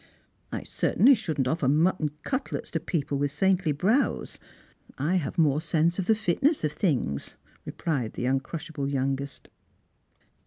" I certainly shouldn't offer mutton cutlets to people with saintly brows; I have more sense of the fitness of things," rephed the uncmshable youngest.